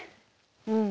うん！